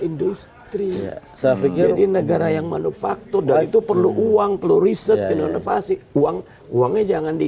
industri saya pikir jadi negara yang manufaktur dan itu perlu uang perlu riset inovasi uang uangnya jangan di